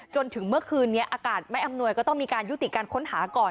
จนถึงเมื่อคืนนี้อากาศไม่อำนวยก็ต้องมีการยุติการค้นหาก่อน